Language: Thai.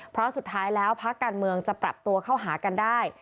เพราะสุดท้ายแล้วพักการเมืองจะปรับตัวเข้าหากันได้